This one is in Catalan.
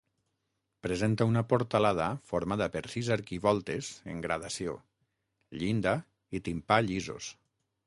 Presenta una portalada formada per sis arquivoltes en gradació, llinda i timpà llisos.